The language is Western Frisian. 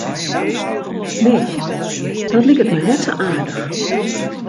Nee, dat liket my net sa aardich.